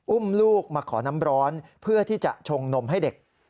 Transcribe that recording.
อุ้มลูกมาขอน้ำร้อนเพื่อที่จะชงนมให้เด็ก